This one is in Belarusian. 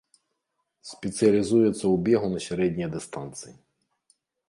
Спецыялізуецца ў бегу на сярэднія дыстанцыі.